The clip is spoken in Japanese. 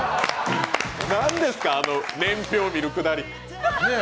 何ですか、年表見る下り。